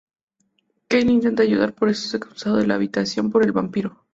Kale intenta ayudarla pero es expulsado de la habitación por el vampiro.